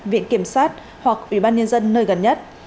viện kiểm sát hoặc ủy ban nhân dân nơi gần nhất